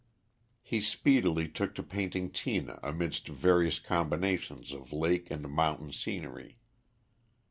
He speedily took to painting Tina amidst various combinations of lake and mountain scenery.